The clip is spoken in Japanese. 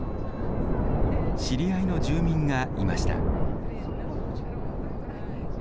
知り合いの住民がいました。